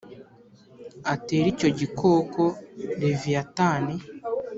atere icyo gikoko Leviyatani,